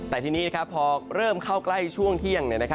แต่ทีนี้พอเริ่มเข้าใกล้ช่วงเที่ยง